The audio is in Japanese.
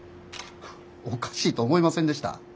おかしいと思いませんでした？